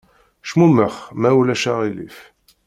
Cmumex ma ulac aɣilif!